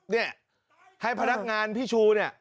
เนี่ยให้พนักงานพี่ชูเนี่ย